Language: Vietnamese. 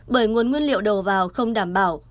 bởi nguồn nguyên liệu đầu vào không đảm bảo